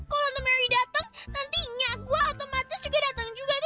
kalau tante merry dateng nantinya gue otomatis juga dateng juga